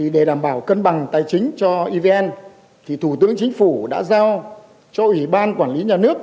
để đảm bảo cân bằng tài chính cho evn thủ tướng chính phủ đã giao cho ủy ban quản lý nhà nước